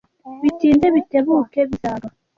Bitinde bitebuke bizaba.